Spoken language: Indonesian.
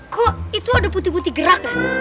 kok itu ada putih putih gerakan